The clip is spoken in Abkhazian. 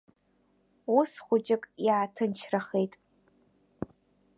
Ус хәыҷык иааҭынчрахеит.